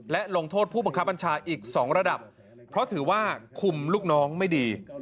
และลงโทษผู้บังคับบัญชาอีก๒ระดับเพราะถือว่าคุมลูกน้องไม่ดี